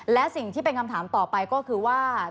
และสิ่งที่เป็นคำถามต่อไปก็คือว่า